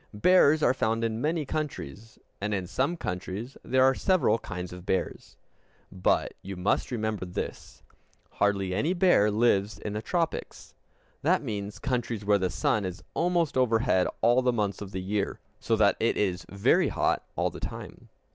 Bears are found in many countries, and in some countries there are several kinds of bears. But you must remember this: hardly any bear lives in the tropics; that means countries where the sun is almost overhead all the months of the year, so that it is very hot all the time.